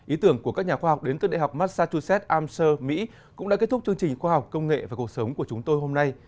ý tưởng của các nhà khoa học đến từ đại học massachusetts amsur mỹ cũng đã kết thúc chương trình khoa học công nghệ và cuộc sống của chúng tôi hôm nay